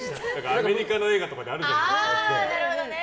アメリカの映画とかであるじゃないですか。